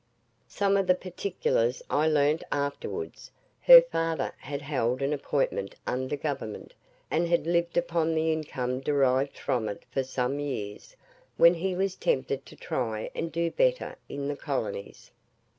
Some of the particulars I learnt afterwards. Her father had held an appointment under Government, and had lived upon the income derived from it for some years, when he was tempted to try and do better in the colonies.